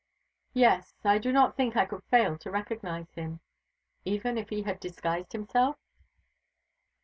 "Yes. I do not think I could fail to recognise him." "Even if he had disguised himself?"